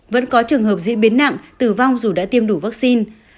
vẫn có trường hợp diễn biến nặng tử vong dù đã tiêm đủ vaccine